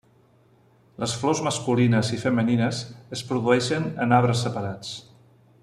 Les flors masculines i femenines es produeixen en arbres separats.